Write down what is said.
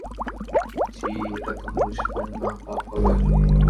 জি, এটাতে মুছবেন না পাপ হবে।